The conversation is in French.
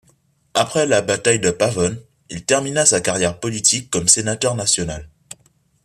Après la bataille de Pavón, il termina sa carrière politique comme sénateur national.